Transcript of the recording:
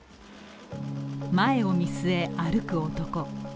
前を見据え歩く男。